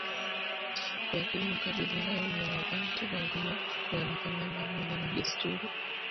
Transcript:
Lakini makabila hayo ni ya Wabantu wa Ziwa na yanafanana mila na desturi